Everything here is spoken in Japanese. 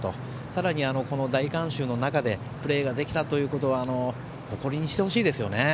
さらに、大観衆の中でプレーができたということは誇りにしてほしいですよね。